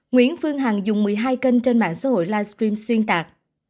nguyễn phương hằng dùng một mươi hai kênh trên mạng xã hội livestream xuyên tạc